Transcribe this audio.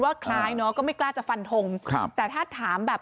คล้ายเนอะก็ไม่กล้าจะฟันทงครับแต่ถ้าถามแบบ